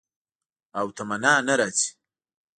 او تمنا نه راځي